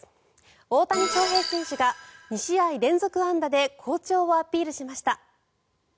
大谷翔平選手が２試合連続安打で好調をアピールしました。